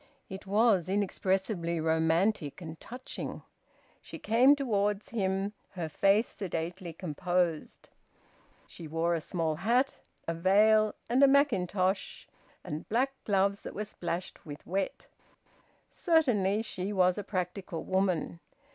It was inexpressibly romantic and touching. She came towards him, her face sedately composed. She wore a small hat, a veil, and a mackintosh, and black gloves that were splashed with wet. Certainly she was a practical woman.